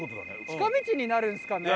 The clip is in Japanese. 近道になるんですかね。